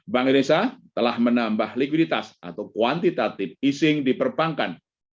bank indonesia telah menambah likuiditas atau kuantitatif ising diperbankan